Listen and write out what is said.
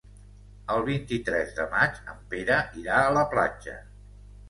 El vint-i-tres de maig en Pere irà a la platja.